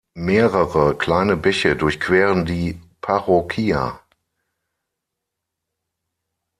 Mehrere kleine Bäche durchqueren die Parroquia.